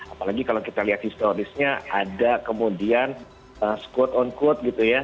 apalagi kalau kita lihat historisnya ada kemudian squote on quote gitu ya